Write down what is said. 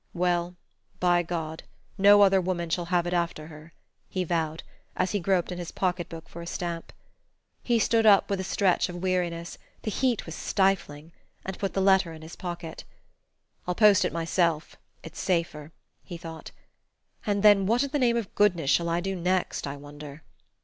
"Well by God, no other woman shall have it after her," he vowed, as he groped in his pocketbook for a stamp. He stood up with a stretch of weariness the heat was stifling! and put the letter in his pocket. "I'll post it myself, it's safer," he thought; "and then what in the name of goodness shall I do next, I wonder?"